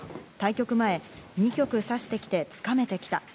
対局前、２局さしてきて掴めてきた。